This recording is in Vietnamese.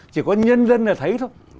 chỉ có nhân dân là thấy thôi